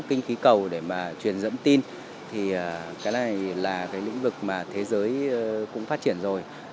kinh khí cầu để mà truyền dẫn tin thì cái này là cái lĩnh vực mà thế giới cũng phát triển rồi